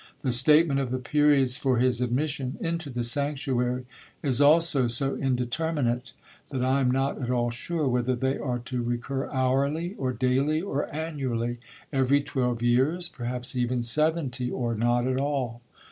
The statement of the periods for his admission into the sanctuary is also so indeterminate that I am not at all sure whether they are to recur hourly, or daily, or annually, every twelve years, perhaps even seventy, or not at all."